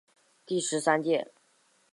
第十三届